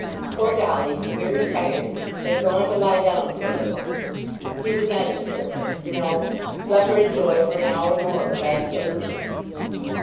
Poor Dolly, very tired, had gone to lie down for a little. He would not disturb her no, let her enjoy for an hour more her happy illusion.